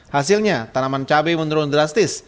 hasilnya tanaman cabai menurun drastis